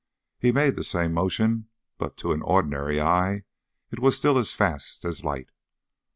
He made the same motion, but to an ordinary eye it was still as fast as light.